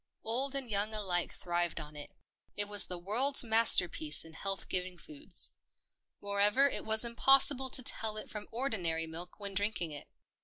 Old and young alike thrived on it — it was the world's masterpiece in health giv ing foods. Moreover it was impossible to tell it from ordinary milk when drinking it.